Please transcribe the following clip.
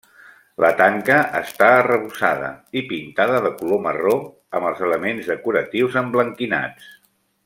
La tanca està arrebossada i pintada de color marró, amb els elements decoratius emblanquinats.